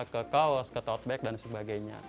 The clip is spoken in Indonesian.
ke kaos ke tote bag dan sebagainya